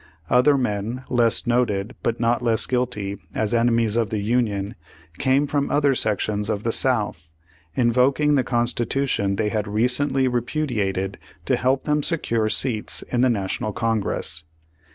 Other men less noted but not less guilty as enemies of the Union came from other sections of the South, in voking the Constitution they had recently repudi ated, to help them secure seats in the National Congress.